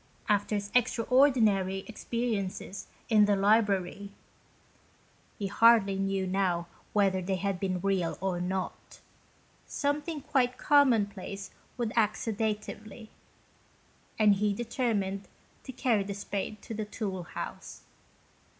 After his extraordinary experiences in the library (he hardly knew now whether they had been real or not) something quite commonplace would act sedatively, and he determined to carry the spade to the tool house.